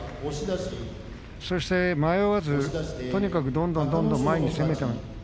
そして迷わずとにかくどんどん前に攻めていきました。